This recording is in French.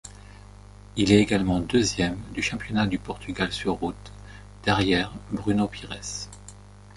Il est également deuxième du championnat du Portugal sur route derrière Bruno Pires.